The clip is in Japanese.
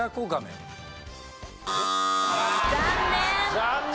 残念！